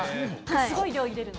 すごい量入れるの？